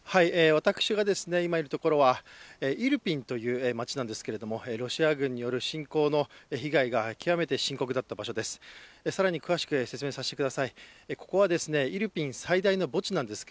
私が今いるところはイルピンという街なんですけれども、ロシア軍による侵攻の被害が極めて深刻だった場所です。